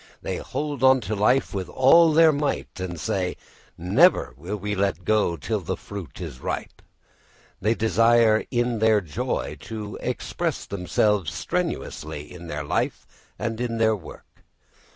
They hold on to life with all their might and say, "never will we let go till the fruit is ripe." They desire in their joy to express themselves strenuously in their life and in their work.